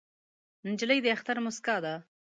نجلۍ د اختر موسکا ده.